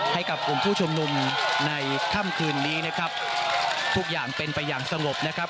ให้กับกลุ่มผู้ชุมนุมในค่ำคืนนี้นะครับทุกอย่างเป็นไปอย่างสงบนะครับ